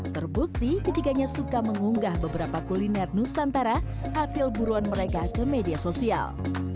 terbukti ketiganya suka mengunggah beberapa kuliner nusantara hasil buruan mereka ke media sosial